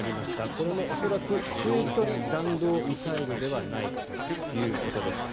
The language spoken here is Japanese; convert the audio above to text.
これも恐らく中距離弾道ミサイルではないかということです。